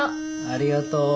ありがとう。